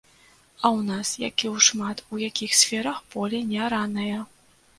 А ў нас, як і шмат у якіх сферах, поле неаранае.